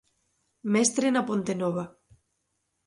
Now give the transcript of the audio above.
Mestre na Pontenova.